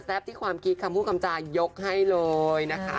ที่ความคิดคำพูดคำจายกให้เลยนะคะ